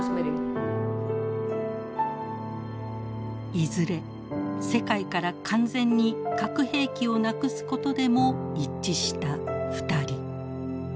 いずれ世界から完全に核兵器をなくすことでも一致した２人。